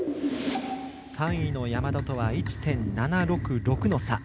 ３位の山田とは１．７６６の差。